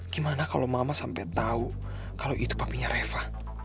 gimana kalau mama sampai tahu kalau itu papinya reva